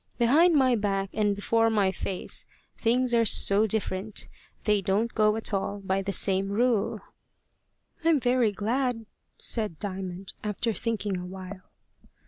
Behind my back and before my face things are so different! They don't go at all by the same rule." "I'm very glad," said Diamond, after thinking a while.